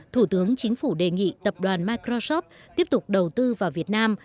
thủ tướng chính phủ đề nghị tập đoàn microsoft tiếp tục đầu tư vào việt nam